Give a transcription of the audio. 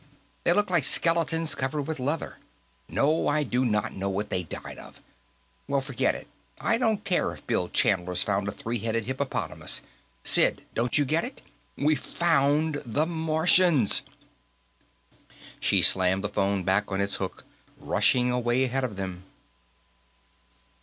They look like skeletons covered with leather. No, I do not know what they died of. Well, forget it; I don't care if Bill Chandler's found a three headed hippopotamus. Sid, don't you get it? We've found the Martians!" She slammed the phone back on its hook, rushing away ahead of them.